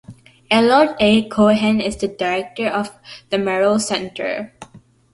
Eliot A. Cohen is the director of the Merrill Center.